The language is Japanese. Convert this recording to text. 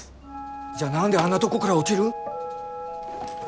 じゃあ何であんなとこから落ちる？